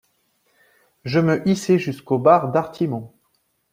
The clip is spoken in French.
Je me hissai jusqu’aux barres d’artimon.